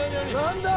何だ？